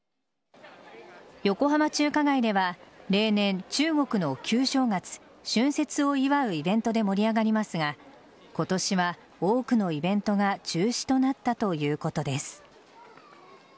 横浜中華街では例年、中国の旧正月＝春節を祝うイベントで盛り上がりますが今年は多くのイベントが中止となったということです。